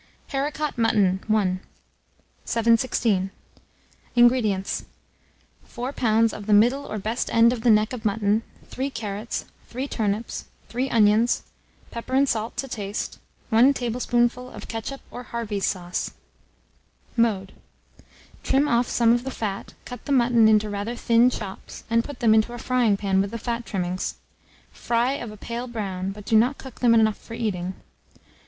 HARICOT MUTTON. I. 716. INGREDIENTS. 4 lbs. of the middle or best end of the neck of mutton, 3 carrots, 3 turnips, 3 onions, popper and salt to taste, 1 tablespoonful of ketchup or Harvey's sauce. Mode. Trim off some of the fat, cut the mutton into rather thin chops, and put them into a frying pan with the fat trimmings. Fry of a pale brown, but do not cook them enough for eating.